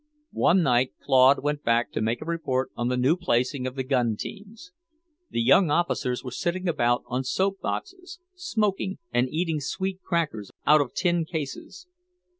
One night Claude went back to make a report on the new placing of the gun teams. The young officers were sitting about on soap boxes, smoking and eating sweet crackers out of tin cases.